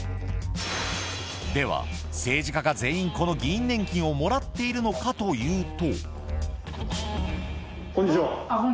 では政治家が全員この議員年金をもらっているのかというと。